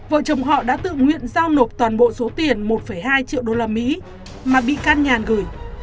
vợ chồng họ đã tự nguyện giao nộp toàn bộ số tiền một hai triệu usd mà bị can nhàn gửi